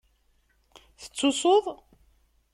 Tettusuḍ?